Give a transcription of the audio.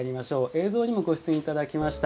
映像にもご出演いただきました